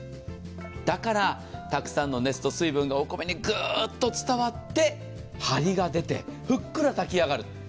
だからたくさんの熱と水分がお米にグーッと伝わって張りが出てふっくら炊き上がる。